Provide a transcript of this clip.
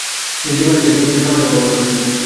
তিনি জীবনের শেষ দুই বছর সন্ন্যাস অবলম্বন করেছিলেন ।